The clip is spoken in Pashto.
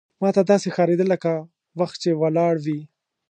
ماته داسې ښکارېدل لکه وخت چې ولاړ وي.